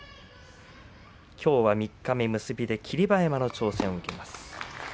きょうは三日目結びで霧馬山の挑戦を受けます。